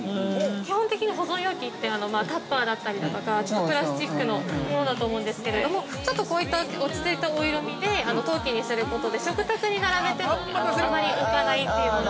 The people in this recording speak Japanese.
基本的に保存容器ってタッパーだったりとか、プラスチックのものだと思うんですけれども、ちょっとこういった落ち着いたお色味で、陶器にすることで、食卓に並べてもあまり浮かないというものに。